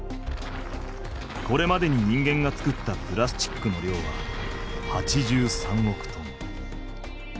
これまでに人間が作ったプラスチックのりょうは８３億トン。